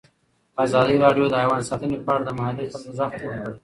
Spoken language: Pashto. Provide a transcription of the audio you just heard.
ازادي راډیو د حیوان ساتنه په اړه د محلي خلکو غږ خپور کړی.